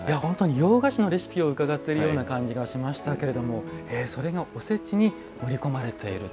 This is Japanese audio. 洋菓子のレシピを伺ってるような気がしましたけれどもそれがおせちに盛り込まれていると。